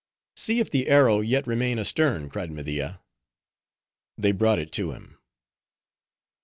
"See if the arrow yet remain astern," cried Media. They brought it to him.